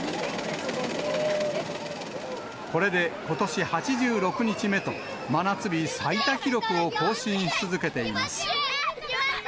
これでことし８６日目と、真夏日最多記録を更新し続けています。